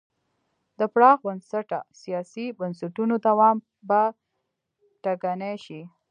د پراخ بنسټه سیاسي بنسټونو دوام به ټکنی شي.